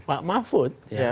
pak mahfud ya